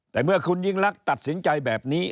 แต่เมื่อคุณยิ่งรักตัดสินใจแบบนี้